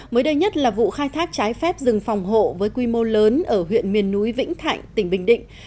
mới đây nhất là vụ khai thác trái phép rừng phòng hộ với quy mô lớn ở huyện miền núi vĩnh thạnh tỉnh bình định